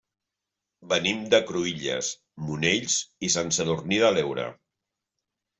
Venim de Cruïlles, Monells i Sant Sadurní de l'Heura.